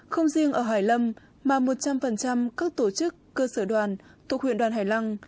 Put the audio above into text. không riêng ở hải lâm mà một trăm linh các tổ chức cơ sở đoàn thuộc huyện đoàn hải lăng